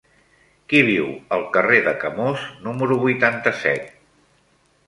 Qui viu al carrer de Camós número vuitanta-set?